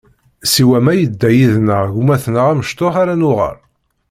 Siwa ma yedda yid-nneɣ gma-tneɣ amecṭuḥ ara nuɣal.